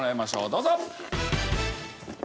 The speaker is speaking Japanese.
どうぞ。